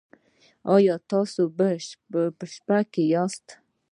ایا تاسو په شپه کې یاست؟